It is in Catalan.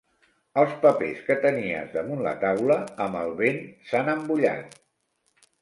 Els papers que tenies damunt la taula, amb el vent, s'han embullat.